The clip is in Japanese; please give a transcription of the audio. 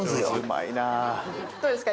どうですか？